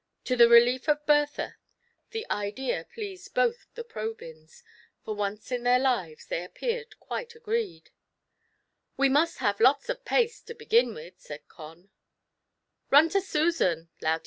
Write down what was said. To the relief of Bertha, the idea pleased both the Probyna; for once in their lives they appeared quite agreed. " We must have lots of paste, to begin with," said Con.